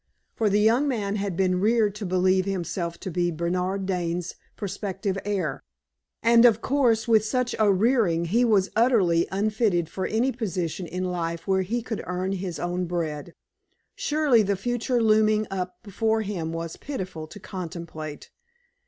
For the young man had been reared to believe himself to be Bernard Dane's prospective heir; and, of course, with such a rearing he was utterly unfitted for any position in life where he could earn his own bread. Surely the future looming up before him was pitiful to contemplate.